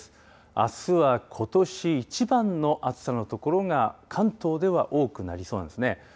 あすはことし一番の暑さの所が、関東では多くなりそうなんですね。